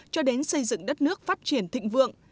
cho đến xây dựng đất nước phát triển thịnh vượng